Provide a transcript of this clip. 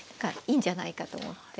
いいんじゃないかと思って。